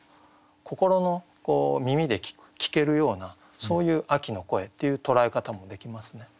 心の耳で聞けるようなそういう「秋の声」っていう捉え方もできますね。